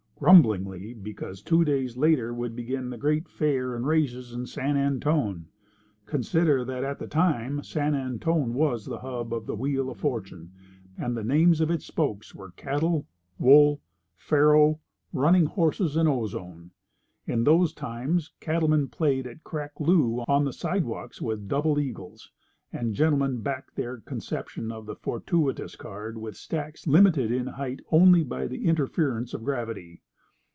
Grumblingly, because two days later would begin the great fair and races in San Antone. Consider that at that time San Antone was the hub of the wheel of Fortune, and the names of its spokes were Cattle, Wool, Faro, Running Horses, and Ozone. In those times cattlemen played at crack loo on the sidewalks with double eagles, and gentlemen backed their conception of the fortuitous card with stacks limited in height only by the interference of gravity.